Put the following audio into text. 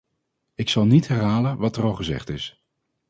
Ik zal niet herhalen wat er al gezegd is.